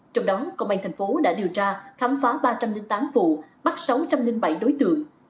trong đó công an thành phố đã điều tra khám phá ba trăm linh tám vụ bắt sáu trăm linh bảy đối tượng